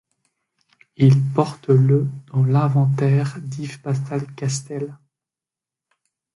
Il porte le dans l'inventaire d'Yves-Pascal Castel.